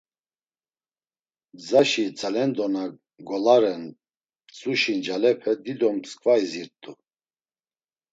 Gzaşi tzalendo na golaren mtzuşi ncalepe dido msǩva izirt̆u.